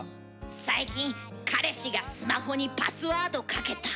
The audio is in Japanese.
最近彼氏がスマホにパスワードかけた。